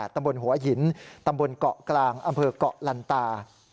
ตำบลหัวหินตำบลเกาะกลางอำเภอกเกาะลันตา